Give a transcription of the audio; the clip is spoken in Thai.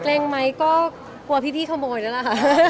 เกร็งไหมก็กลัวพี่ขโมยนั่นแหละค่ะ